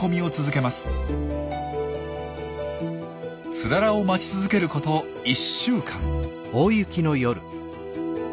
ツララを待ち続けること１週間。